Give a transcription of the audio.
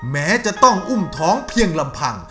แม้จะต้องอุ้มท้องเพียงลำพัง